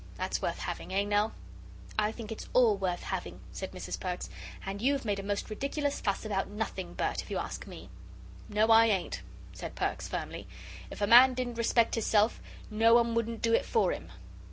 That's worth having, eh, Nell?" "I think it's all worth having," said Mrs. Perks, "and you've made a most ridiculous fuss about nothing, Bert, if you ask me." "No, I ain't," said Perks, firmly; "if a man didn't respect hisself, no one wouldn't do it for him."